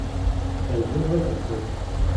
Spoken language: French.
elles aimeraient ta sœur.